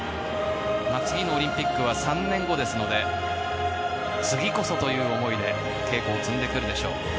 次のオリンピックは３年後ですので次こそという思いで稽古を積んでくるでしょう。